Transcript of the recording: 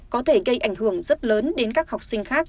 có thể gây ảnh hưởng rất lớn đến các học sinh khác